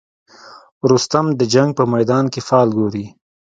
رستم د جنګ په میدان کې فال ګوري.